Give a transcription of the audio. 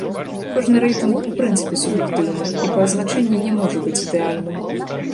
Кожны рэйтынг у прынцыпе суб'ектыўны і па азначэнні не можа быць ідэальным.